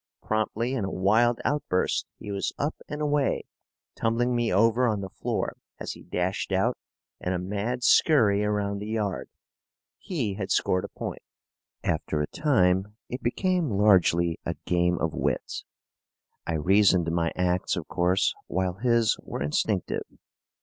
Promptly, in a wild outburst, he was up and away, tumbling me over on the floor as he dashed out in a mad skurry around the yard. He had scored a point. After a time, it became largely a game of wits. I reasoned my acts, of course, while his were instinctive.